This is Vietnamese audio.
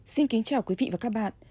xin kính chào quý vị và các bạn